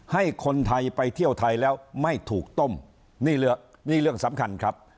ให้คนไทยไปเที่ยวไทยแล้วไม่ถูกต้มนี่เรื่องสำคัญครับ